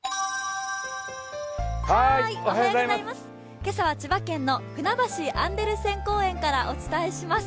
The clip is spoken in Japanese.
今朝は千葉県のふなばしアンデルセン公園からお伝えします。